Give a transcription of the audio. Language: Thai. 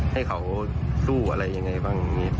ให้เขาสู้อะไรยังไงบ้างมีเพื่อนเรา